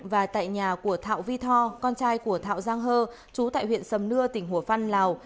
và tại nhà của thảo vi tho con trai của thảo giang hơ chú tại huyện sầm nưa tỉnh hùa phan lào